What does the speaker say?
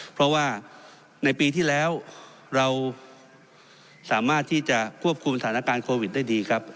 เพราะว่าในปีที่แล้วเราสามารถที่จะควบคุมสถานการณ์โควิดได้ดีครับ